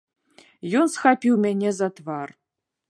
Ён схапіў мяне за твар.